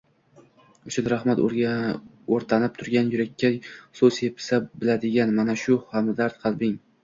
uchun rahmat. O'rtanib turgan yurakka suv sepa biladigan mana shu hamdard qalbing